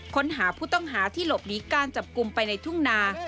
ค้นหาผู้ต้องหาที่หลบหนีการจับกลุ่มไปในทุ่งนา